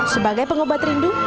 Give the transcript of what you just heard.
sebagai pengobat rindu